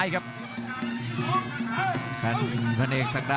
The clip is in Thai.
รับทราบบรรดาศักดิ์